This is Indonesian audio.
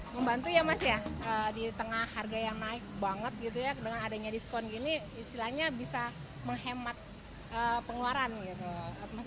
membantu ya mas ya di tengah harga yang naik banget gitu ya dengan adanya diskon gini istilahnya bisa menghemat pengeluaran gitu